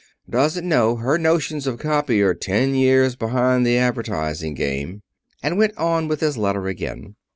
Doesn't know her notions of copy are ten years behind the advertising game " And went on with his letter again.